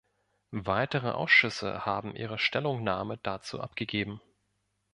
Weitere Ausschüsse haben ihre Stellungnahme dazu abgegeben.